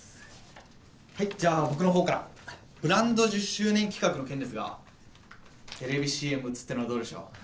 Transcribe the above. はいじゃあ僕のほうからブランド１０周年企画の件ですがテレビＣＭ打つっていうのはどうでしょう。